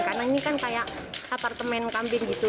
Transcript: karena ini kan kayak apartemen kambing gitu